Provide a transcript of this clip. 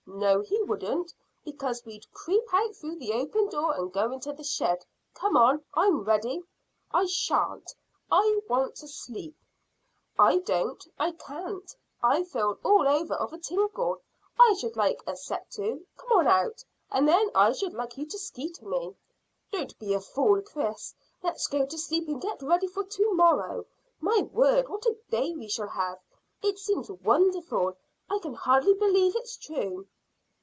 "No, he wouldn't, because we'd creep out through the open door and go into the shed. Come on; I'm ready." "I shan't. I want to sleep." "I don't. I can't. I feel all over of a tingle. I should like a set to. Come on out, and then I should like you to skeeter me." "Don't be a fool, Chris. Let's go to sleep and get ready for to morrow. My word, what a day we shall have! It seems wonderful. I can hardly believe it's true."